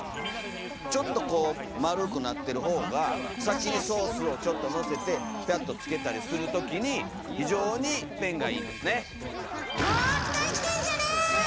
ちょっとこう丸くなってるほうが先にソースをちょっとのせてピャッとつけたりするときに非常に便がいいんですね。